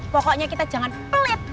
pokoknya kita jangan pelit